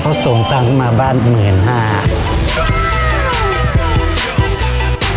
เขาส่งตังค์มาบ้าน๑๕๐๐บาท